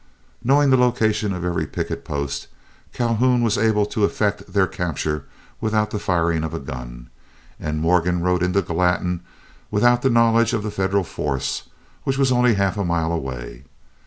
Knowing the location of every picket post, Calhoun was able to effect their capture without the firing of a gun, and Morgan rode into Gallatin without the knowledge of the Federal force, which was only half a mile away.